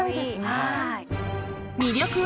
はい。